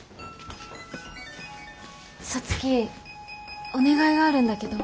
皐月お願いがあるんだけど。